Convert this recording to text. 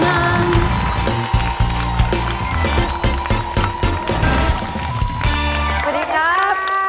สวัสดีครับ